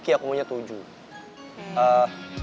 iya aku punya tujuh